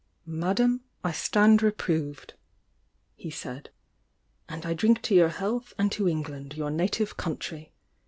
"Madame, I stand reproved!" he said. And 1 drink to your health and to England, your native country!